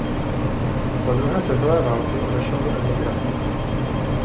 Za druhé světové války odešel do emigrace.